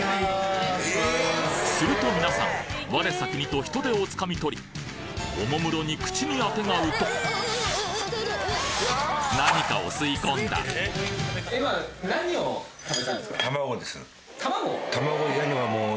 すると皆さん我先にとヒトデをつかみ取りおもむろに口にあてがうと何かを吸い込んだ卵！？